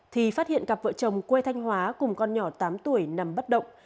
thì phát hiện cặp vợ chồng quê thanh hóa cùng con nhỏ tám tuổi nằm bất động